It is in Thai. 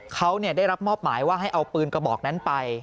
เขาได้รับมอบหมายว่าให้เอาปืนกระบอกนั้นไป